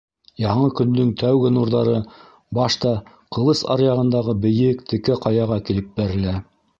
Яңы көндөң тәүге нурҙары башта Ҡылыс аръяғындағы бейек, текә ҡаяға килеп бәрелә.